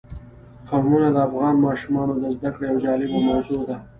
قومونه د افغان ماشومانو د زده کړې یوه جالبه موضوع ده.